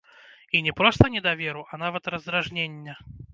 І не проста недаверу, а нават раздражнення.